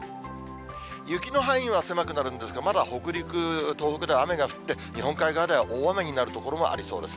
雪の範囲は狭くなるんですけど、まだ北陸、東北では雨が降って、日本海側では大雨になる所もありそうです。